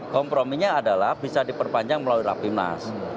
komprominya adalah bisa diperpanjang melalui raffi ibn nas